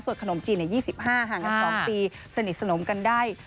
ส่วนขนมจีนหลาย๒๕ปีสนิทสนมกันได้